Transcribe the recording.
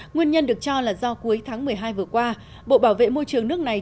nguyên nhân được cho là do cuối tháng một mươi hai vừa qua bộ bảo vệ môi trường nước này